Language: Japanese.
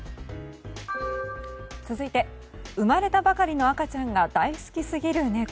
続いて、生まれたばかりの赤ちゃんが大好きすぎる猫。